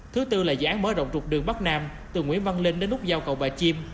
thứ tư là dự án mở rộng trục đường bắc nam từ nguyễn văn linh đến nút giao cầu bà chim